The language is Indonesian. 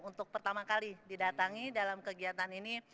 untuk pertama kali didatangi dalam kegiatan ini